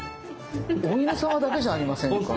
お犬さまだけじゃありませんか。